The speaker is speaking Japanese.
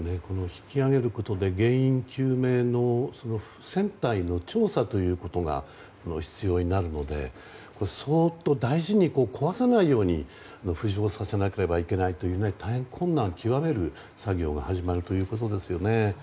引き揚げることで原因究明の船体の調査ということが必要になるのでそっと大事に壊さないように浮上させなければいけないという大変、困難を極める作業が始まるということですよね。